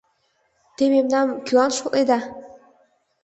— Те мемнам кӧлан шотледа?